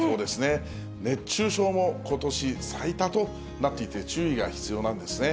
熱中症もことし最多となっていて、注意が必要なんですね。